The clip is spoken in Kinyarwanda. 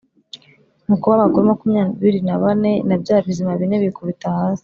Nuko ba bakuru makumyabiri na bane na bya bizima bine bikubita hasi,